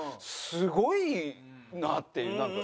すごいなっていうなんか。